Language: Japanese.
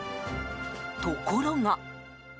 ところが。